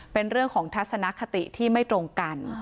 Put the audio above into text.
เป็นเรื่องของทัศนคติที่ไม่ตรงกัน